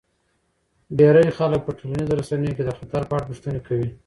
ډیری خلک په ټولنیزو رسنیو کې د خطر په اړه پوښتنې کوي.